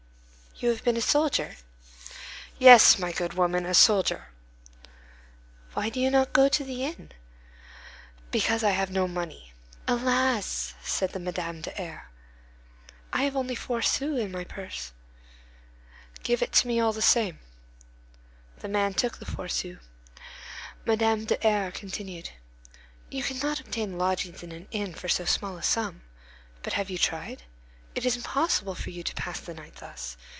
"You have been a soldier?" "Yes, my good woman, a soldier." "Why do you not go to the inn?" "Because I have no money." "Alas!" said Madame de R——, "I have only four sous in my purse." "Give it to me all the same." The man took the four sous. Madame de R—— continued: "You cannot obtain lodgings in an inn for so small a sum. But have you tried? It is impossible for you to pass the night thus.